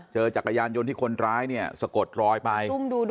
จักรยานยนต์ที่คนร้ายเนี่ยสะกดรอยไป